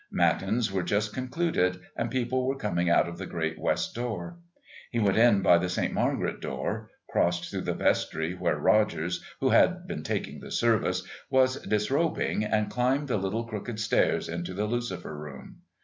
Matins were just concluded and people were coming out of the great West door. He went in by the Saint Margaret door, crossed through the Vestry where Rogers, who had been taking the service, was disrobing, and climbed the little crooked stairs into the Lucifer Room.